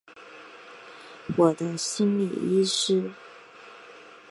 我的心理医师